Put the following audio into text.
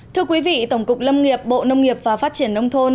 thưa quý vị tổng cục lâm nghiệp bộ nông nghiệp và phát triển nông thôn